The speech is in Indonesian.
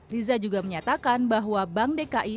riza juga menyatakan bahwa bank dki